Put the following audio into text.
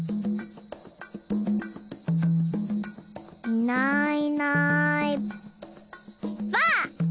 いないいないばあっ！